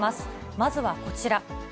まずはこちら。